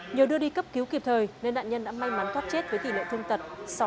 nhờ đưa đi cấp cứu kịp thời nên nạn nhân đã may mắn thoát chết với tỷ lệ thương tật sáu mươi